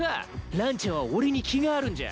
ランちゃんは俺に気があるんじゃ。